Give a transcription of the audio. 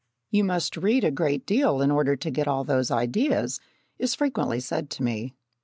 "You must read a great deal in order to get all those ideas," is frequently said to me.